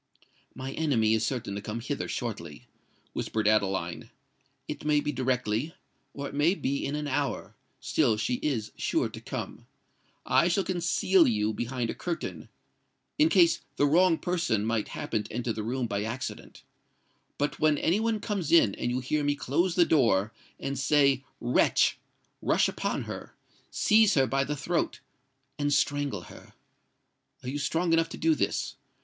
"My enemy is certain to come hither shortly," whispered Adeline: "it may be directly—or it may be in an hour;—still she is sure to come. I shall conceal you behind a curtain—in case the wrong person might happen to enter the room by accident. But when any one comes in, and you hear me close the door and say 'WRETCH!' rush upon her—seize her by the throat—and strangle her. Are you strong enough to do this?